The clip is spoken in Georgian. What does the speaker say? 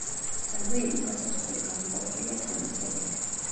საზეიმო გასასვლელი გამოყოფილია თამასებით.